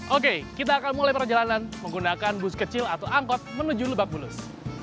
oke kita akan mulai perjalanan menggunakan bus kecil atau angkot menuju lebak bulus